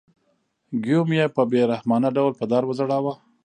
ګیوم یې په بې رحمانه ډول په دار وځړاوه.